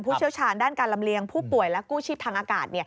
เชี่ยวชาญด้านการลำเลียงผู้ป่วยและกู้ชีพทางอากาศ